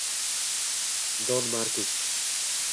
Don Markus